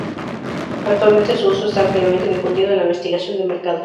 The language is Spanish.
Actualmente su uso está ampliamente difundido en la investigación de mercado.